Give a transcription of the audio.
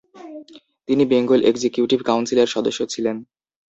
তিনি Bengal executive কাউন্সিলের সদস্য ছিলেন।